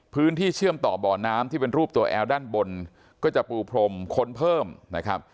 เชื่อมต่อบ่อน้ำที่เป็นรูปตัวแอลด้านบนก็จะปูพรมค้นเพิ่มนะครับ